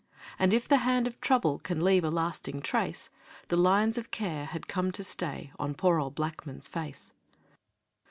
And if the hand of trouble Can leave a lasting trace, The lines of care had come to stay On poor old Blackman's face.